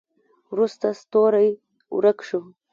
وروسته ستوری ورک شو.